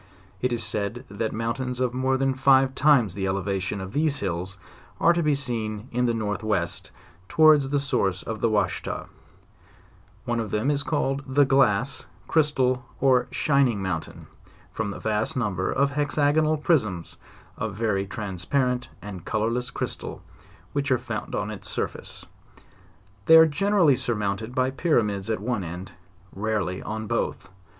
It is said that mountains of more than five times the elevation of these hills are to be seen in the northwest, towards the source of the Washita, one of them is called the glass, crystal, or shining mountain, from the vast number of hexagonal prisms of very transpa rent and colorless crystal which are found on its surface; they are generally surmounted by pyramids at one end. rarely on both.